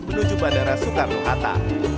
menuju bandara soekarno hatta